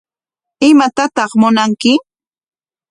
¿Imatataq munanki?